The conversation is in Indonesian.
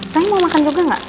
sayang mau makan juga gak